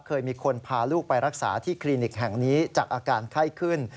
เคยมีคนพาลูกไปรักษาที่คลินิกแห่งนี้จากอาการไข้ขึ้น